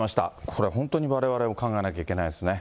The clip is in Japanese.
これ本当にわれわれも考えなきゃいけないですね。